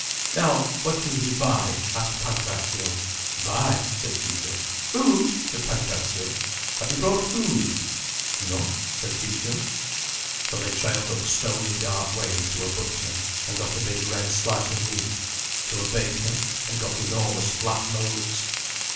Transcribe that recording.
"Now what will you buy?" asked Pancrazio. "Buy?" said Ciccio. "Food," said Pancrazio. "Have you brought food?" "No," said Ciccio. So they trailed up stony dark ways to a butcher, and got a big red slice of meat; to a baker, and got enormous flat loaves.